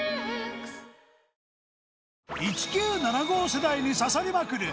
１９７５世代に刺さりまくる